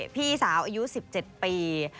พี่สาวอายุ๑๗ปี